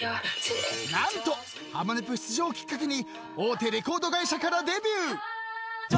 ［何と『ハモネプ』出場をきっかけに大手レコード会社からデビュー！］